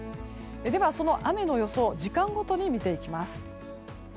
では、その雨の予想を時間ごとに見ていきます。